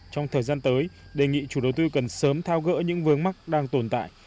trong thời gian tới đề nghị chủ đầu tư cần sớm thao gỡ những vướng mắc đang tồn tại